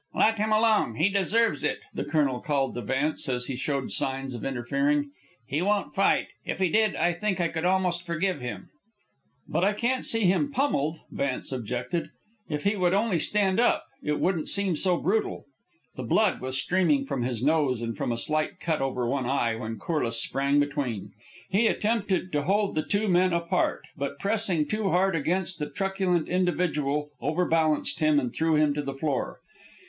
"Let him alone. He deserves it," the colonel called to Vance as he showed signs of interfering. "He won't fight. If he did, I think I could almost forgive him." "But I can't see him pummelled," Vance objected. "If he would only stand up, it wouldn't seem so brutal." The blood was streaming from his nose and from a slight cut over one eye, when Corliss sprang between. He attempted to hold the two men apart, but pressing too hard against the truculent individual, overbalanced him and threw him to the floor.